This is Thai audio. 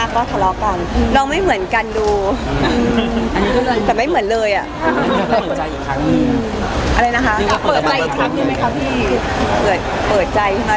ก็คือมันไม่เหมือนกันจริงมันก็ต้องใช้เวลา